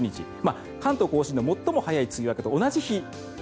関東・甲信で最も早い梅雨明けと同じ日。